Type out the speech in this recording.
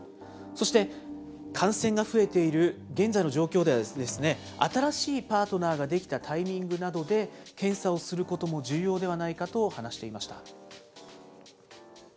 そして、感染が増えている現在の状況では、新しいパートナーが出来たタイミングなどで検査をすることも重要ではないかと話していました。